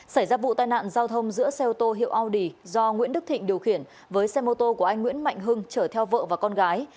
xảy ra vụ tai nạn giao thông giữa xe ô tô hiệu audi do nguyễn đức thịnh điều khiển với xe mô tô của anh nguyễn mạnh hưng chở theo vợ và con gái